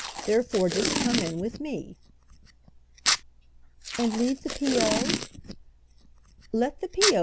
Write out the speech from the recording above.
Therefore just come in with me." "And leave the P.O.?" "Let the P.O.